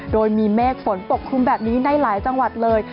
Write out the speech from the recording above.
โดยมีเมฆฝนปกคลุมแบบนี้ในหลายจังหวัดเลย